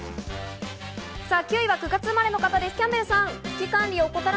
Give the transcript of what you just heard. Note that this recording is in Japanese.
９位は９月生まれの方です、キャンベルさん。